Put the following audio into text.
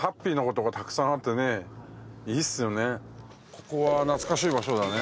ここは懐かしい場所だね。